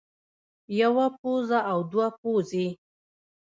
يوه پوزه او دوه پوزې